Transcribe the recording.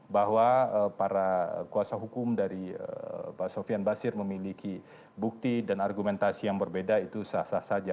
bahwa para kuasa hukum dari pak sofian basir memiliki bukti dan argumentasi yang berbeda itu sah sah saja